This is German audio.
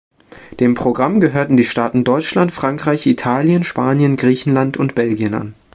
Dem Programm gehörten die Staaten Deutschland, Frankreich, Italien, Spanien, Griechenland und Belgien an.